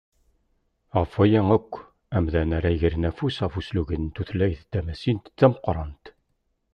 Γef waya akk, amdan ara yegren afus deg uslugen n tutlayt d tamasit tameqqrant.